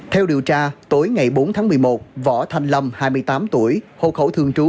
theo điều tra tối ngày bốn tháng một mươi một võ thanh lâm hai mươi tám tuổi hộ khẩu thường trú